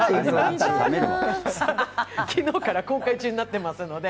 昨日から公開中になっていますので。